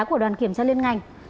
của đoàn kiểm tra liên ngành